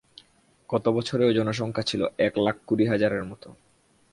গত বছরেও জনসংখ্যা ছিল এক লাখ কুড়ি হাজারের মতো।